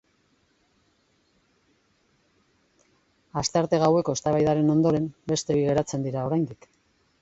Astearte gaueko eztabaidaren ondoren, beste bi geratzen dira oraindik.